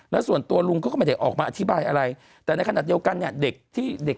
แล้วส่วนตัวลุงเขาก็ไม่ได้ออกมาอธิบายอะไรแต่ในขณะเดียวกันเนี่ยเด็กที่เด็ก